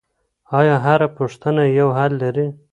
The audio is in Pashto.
آیا هره پوښتنه یو حل لري؟